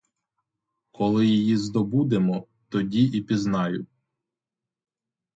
Коли її здобудемо, тоді і пізнаю.